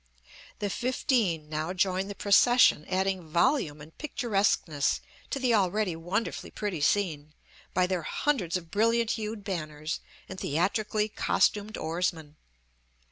The fifteen now join the procession, adding volume and picturesqueness to the already wonderfully pretty scene, by their hundreds of brilliant hued banners, and theatrically costumed oarsmen.